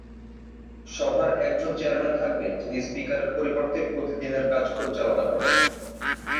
সভার একজন চেয়ারম্যান থাকবেন যিনি স্পিকারের পরিবর্তে প্রতিদিনের কাজ পরিচালনা করেন।